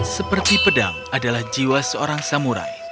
seperti pedang adalah jiwa seorang samurai